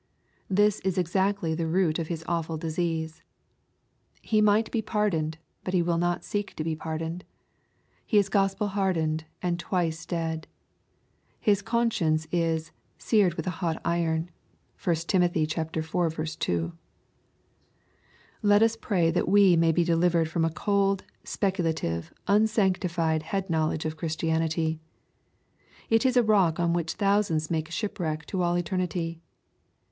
This is exactly the root of his awful disease. He might be pardoned, hut he will not seek to be pardoned. He is Gospel hardened and '^ twice dead." His conscience is " seared with a hot iron.'' (1 Tim. iv. 2.) Let us pray that we may be delivered from a cold, speculative, unsanctified head knowledge of Christianity. It is a rock on which thousands make shipwreck to all eternity.